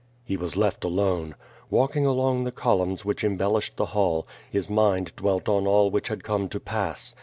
He was left alone. Walking along the columns which em bellished the hall, his mind dwelt on all which had come to pass.